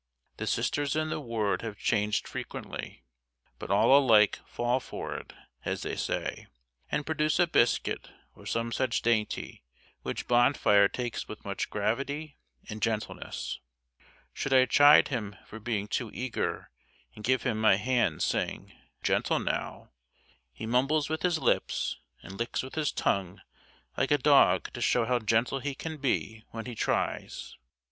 The Sisters in the ward have changed frequently, but all alike "fall for it", as they say, and produce a biscuit or some such dainty which Bonfire takes with much gravity and gentleness. Should I chide him for being too eager and give him my hand saying, "Gentle now," he mumbles with his lips, and licks with his tongue like a dog to show how gentle he can be when he tries.